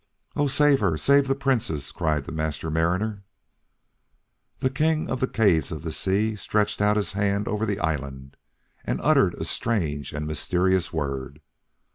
"Oh, save her! Save the Princess!" cried the Master Mariner. The King of the Caves of the Sea stretched out his hands over the island and uttered a strange and mysterious word.